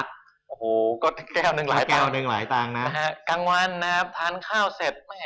กลางวันนะครับทานข้าวเสร็จ